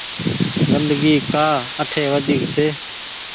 گندگي ڪآ اٺي وڍيڪ ڇي۔